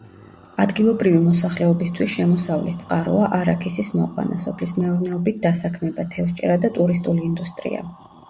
ადგილობრივი მოსახლეობისთვის შემოსავლის წყაროა არაქისის მოყვანა, სოფლის მეურნეობით დასაქმება, თევზჭერა და ტურისტული ინდუსტრია.